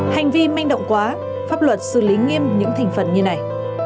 hành vi manh động quá pháp luật xử lý nghiêm những thành phần như này